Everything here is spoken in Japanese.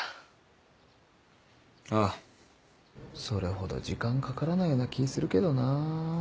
それほど時間かからないような気ぃするけどなぁ。